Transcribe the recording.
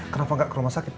kenapa nggak ke rumah sakit